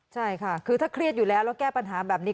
ใช่ค่ะคือถ้าเครียดอยู่แล้วแล้วแก้ปัญหาแบบนี้